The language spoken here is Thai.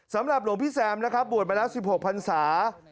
สำหรับหลวงพี่แซมนะครับบวชมาแล้ว๑๖พันศา